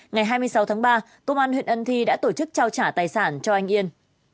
ngày hai mươi sáu tháng ba công an huyện ân thi đã tổ chức trao trả tài sản cho anh yên